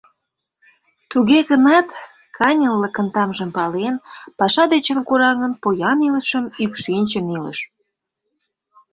Туге гынат каньыллыкын тамжым пален, паша дечын кораҥын, поян илышым ӱпшынчын илыш.